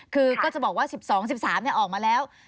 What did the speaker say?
คือก็จะบอกว่า๑๒๑๓ออกมาแล้ว